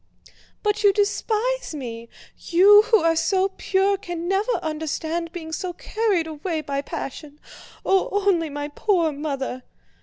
"But you despise me. You who are so pure can never understand being so carried away by passion. Oh, only my poor mother..."